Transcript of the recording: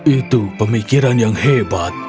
itu pemikiran yang hebat